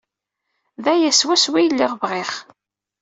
D aya swaswa ay lliɣ bɣiɣ.